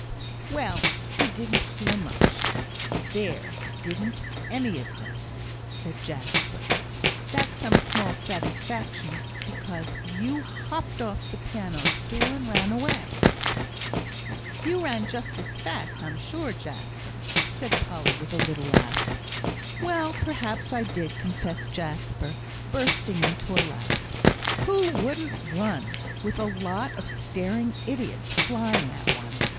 "Well, he didn't hear much; there didn't any of them," said Jasper; "that's some small satisfaction, because you hopped off the piano stool and ran away." "You ran just as fast, I'm sure, Jasper," said Polly, with a little laugh. "Well, perhaps I did," confessed Jasper, bursting into a laugh. "Who wouldn't run with a lot of staring idiots flying at one?"